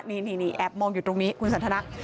นี่แอบมองอยู่ตรงนี้คุณสันทนะ